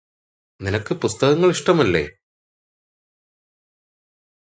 നിനക്ക് പുസ്തകങ്ങള് ഇഷ്ടമല്ലേ